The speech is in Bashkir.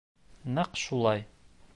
Нәҡ шулай